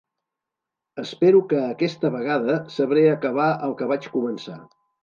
Espero que aquesta vegada sabré acabar el que vaig començar.